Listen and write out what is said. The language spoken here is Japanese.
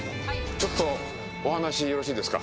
ちょっとお話よろしいですか？